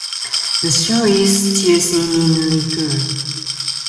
The show is still seen in reruns.